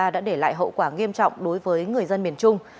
đã để lại hậu quả nghiêm trọng đối với người dân miền trung